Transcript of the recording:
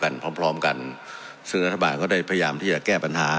พร้อมพร้อมกันซึ่งรัฐบาลก็ได้พยายามที่จะแก้ปัญหา